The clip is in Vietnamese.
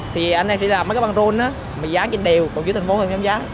thì anh em chỉ làm mấy cái băng rôn á mình dán trên đèo còn dưới thành phố mình dán